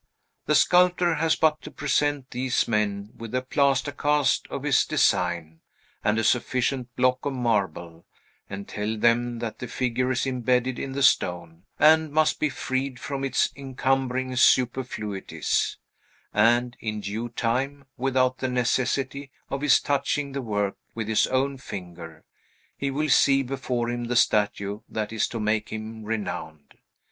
The sculptor has but to present these men with a plaster cast of his design, and a sufficient block of marble, and tell them that the figure is imbedded in the stone, and must be freed from its encumbering superfluities; and, in due time, without the necessity of his touching the work with his own finger, he will see before him the statue that is to make him renowned.